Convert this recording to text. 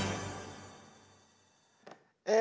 え